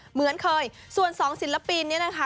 เหมือนเคยส่วนสองศิลปินเนี่ยนะคะ